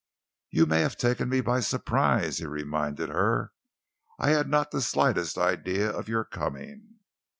"You have taken me by surprise," he reminded her. "I had not the slightest idea of your coming."